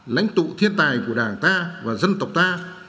lãnh tụ thiên tài của đảng ta và dân tộc ta